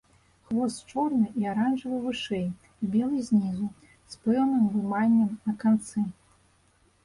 Хвост чорны і аранжавы вышэй і белы знізу, з пэўным выманнем на канцы.